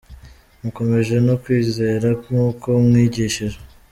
Mukomejwe no kwizera nk’uko mwigishijwe